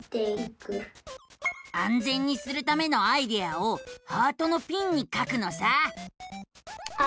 あんぜんにするためのアイデアをハートのピンに書くのさ。